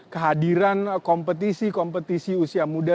kehadiran kompetisi kompetisi usia muda